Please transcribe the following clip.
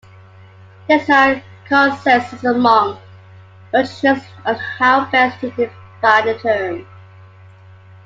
There is no consensus among logicians on how best to define the term.